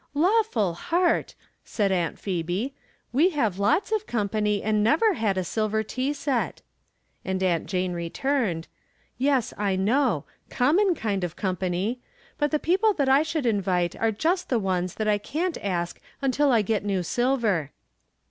" Lawful heart !" said Aunt Phebci " we have lots of company, and never had a silver tea set ;" and Aunt Jane returned :" Yes, I know ; common kind of company ; but the people that I should invite are just the ones that I can't ask until I get new silver."